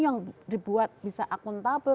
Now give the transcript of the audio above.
yang dibuat bisa akuntabel